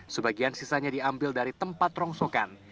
sebagian sisanya diambil dari tempat rongsokan